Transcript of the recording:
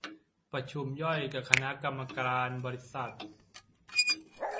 ประชุมย่อยกับคณะกรรมการบริษัท